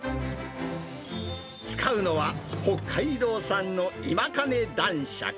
使うのは北海道産の今金男しゃく。